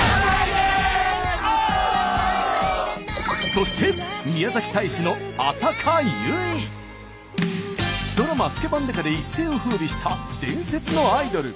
そしてドラマ「スケバン刑事」で一世を風靡した伝説のアイドル。